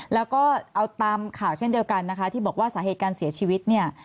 แล้วก็เอาตามข่าวเช่นเดียวกันนะคะที่บอกว่าสาเหตุการเสียชีวิตเนี่ย